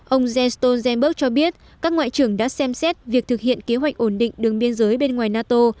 ông jens stoltenberg cho biết các ngoại trưởng đã xem xét việc thực hiện kế hoạch ổn định đường biên giới bên ngoài nato